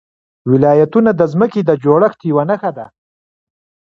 ولایتونه د ځمکې د جوړښت یوه نښه ده.